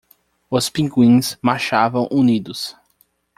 Os pinguins marchavam unidos